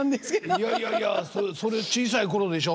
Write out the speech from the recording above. いやいやいやそれ小さい頃でしょ？